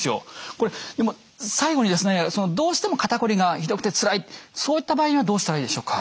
これ最後にですねどうしても肩こりがひどくてつらいそういった場合にはどうしたらいいでしょうか？